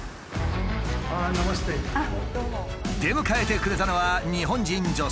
出迎えてくれたのは日本人女性。